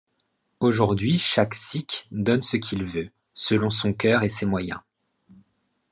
Aujourd'hui chaque sikh donne ce qu'il veut, selon son cœur et ses moyens.